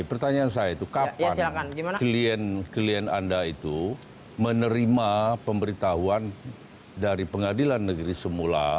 pertanyaan saya itu kapan klien anda itu menerima pemberitahuan dari pengadilan negeri semula